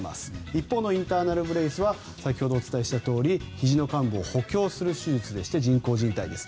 一方のインターナル・ブレースは先ほどお伝えしたとおりひじの患部を補強する手術でして人工じん帯です。